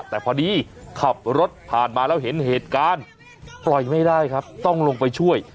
แต่พอดีขับรถผ่านมาแล้วเห็นเหตุการณ์ปล่อยไม่ได้ครับต้องลงไปช่วย